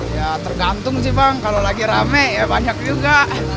ya tergantung sih bang kalau lagi rame ya banyak juga